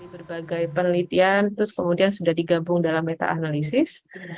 berbagai penelitian terus kemudian sudah digabung dalam meta analisis